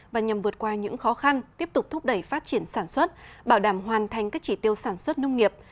và nhằm vượt qua những khó khăn tiếp tục thúc đẩy phát triển sản xuất bảo đảm hoàn thành các chỉ tiêu sản xuất nông nghiệp